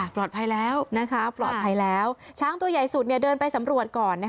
ปลอดภัยแล้วช้างตัวใหญ่สุดเดินไปสำรวจก่อน